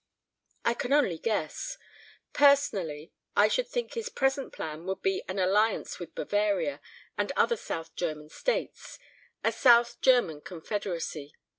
"I can only guess. Personally I should think his present plan would be an alliance with Bavaria and other South German States a South German Confederacy.